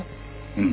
うん。